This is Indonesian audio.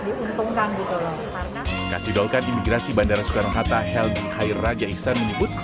diuntungkan gitu kasih doakan imigrasi bandara soekarno hatta helbi khair raja iksan menyebut